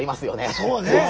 そうね！